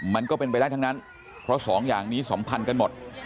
มันก็เป็นไปได้ทั้งนั้นเพราะสองอย่างนี้สัมพันธ์กันหมด